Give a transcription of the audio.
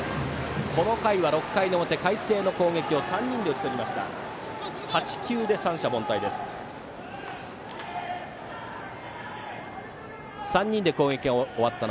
この回は、６回の表海星の攻撃を３人で打ち取りました。